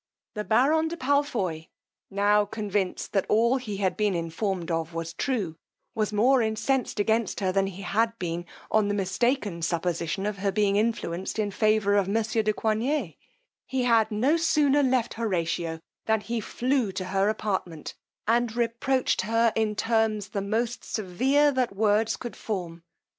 The baron de Palfoy, now convinced that all he had been informed of was true, was more incensed against her than he had been on the mistaken supposition of her being influenced in favour of monsieur de Coigney: he had no sooner left Horatio than he flew to her apartment, and reproached her in terms the most severe that words could form.